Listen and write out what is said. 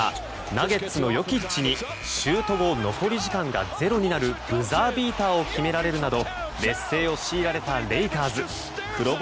ナゲッツのヨキッチにシュート後残り時間が０になるブザービーターを決められるなど劣勢を強いられたレイカーズ黒星